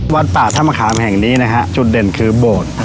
วัดป่าธรรมคามแห่งนี้นะฮะจุดเด่นคือโบสถ์